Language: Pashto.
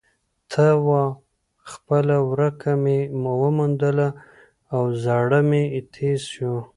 ته وا خپله ورکه مې وموندله او زړه مې تیز شو.